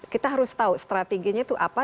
kita harus tahu strateginya itu apa